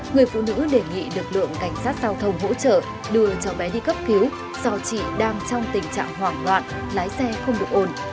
người phụ nữ đề nghị lực lượng cảnh sát giao thông hỗ trợ đưa cháu bé đi cấp cứu do chị đang trong tình trạng hoảng loạn lái xe không được ồn